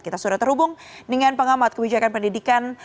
kita sudah terhubung dengan pengamat kebijakan pendidikan